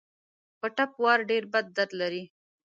په ټپ وار ډېر بد درد لري.